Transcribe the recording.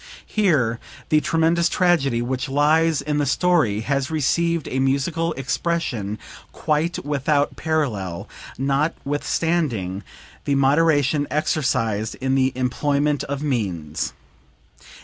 Here the tremendous tragedy which lies in the story has received a musical expression quite without parallel, notwithstanding the moderation exercised in the employment of means.